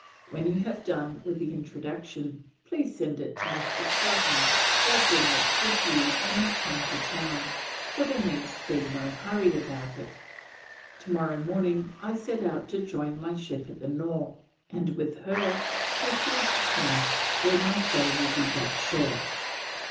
When you have done with the Introduction, please send it to Mr. Strahan or bring it with you when you come to Town, for there needs be no hurry about it. Tomorrow morning I set out to join my ship at the Nore, and with her proceed to Plymouth where my stay will be but short.